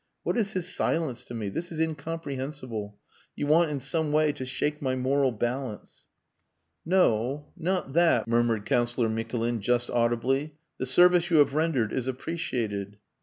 What is his silence to me! This is incomprehensible. You want in some way to shake my moral balance." "No. Not that," murmured Councillor Mikulin, just audibly. "The service you have rendered is appreciated...."